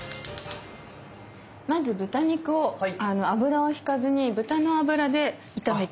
まず豚肉を油を引かずに豚の油で炒めていく感じ。